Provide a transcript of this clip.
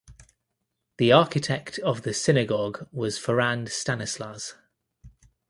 The architect of the synagogue was Ferrand Stanislas.